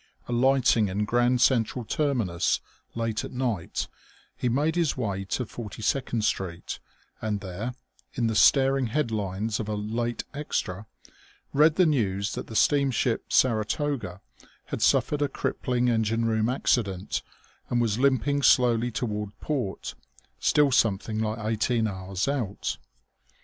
Alighting in Grand Central Terminus late at night, he made his way to Forty second Street and there, in the staring headlines of a "Late Extra," read the news that the steamship Saratoga had suffered a crippling engine room accident and was limping slowly toward port, still something like eighteen hours out.